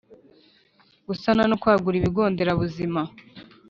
Gusana no kwagura ibigo nderabuzima